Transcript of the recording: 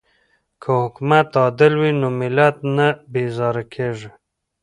که حکومت عادل وي نو ملت نه بیزاره کیږي.